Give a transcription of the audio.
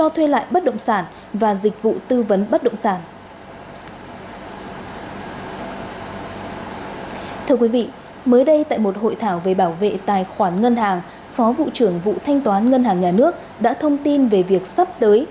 thưa quý vị mới đây tại một hội thảo về bảo vệ tài khoản ngân hàng phó vụ trưởng vụ thanh toán ngân hàng nhà nước đã thông tin về việc sắp tới